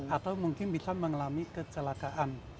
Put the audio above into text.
atau mungkin bisa mengalami kecelakaan